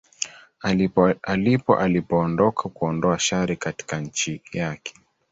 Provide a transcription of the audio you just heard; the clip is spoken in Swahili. alipo alipoondoka kuondoa shari katika nchi yake